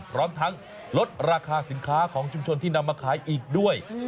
พร้อมทั้งลดราคาสินค้าของชุมชนที่นำมาขายอีกด้วย